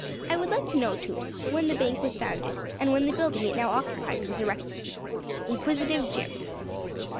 I would like to know, too, when the bank was founded, and when the building it now occupies was erected. INQUISITIVE JIM.